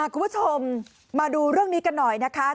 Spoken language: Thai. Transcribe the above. คุณผู้ชมมาดูเรื่องนี้กันหน่อยนะคะ